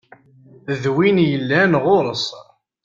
D win yellan ɣur-s.